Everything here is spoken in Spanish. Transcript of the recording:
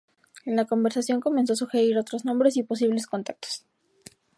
En la conversación comenzó a sugerir otros nombres y posibles contactos.